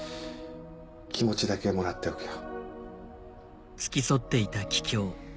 気持ちだけもらっておくよ。